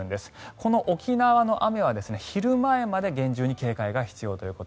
この沖縄の雨は昼前まで厳重な警戒が必要だということ。